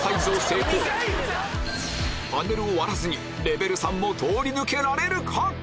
パネルを割らずにレベル３を通り抜けられるか？